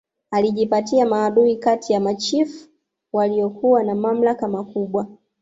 Alijipatia maadui kati ya machifu waliokuwa na mamlaka makubwa